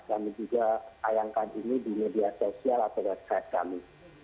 kami juga tayangkan ini di media sosial atau website kami